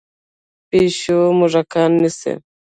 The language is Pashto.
پیشو موږکان نیسي.